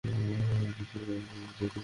আমার গল্প চুরি করে মুভিও রিলিজ করে দিয়েছে?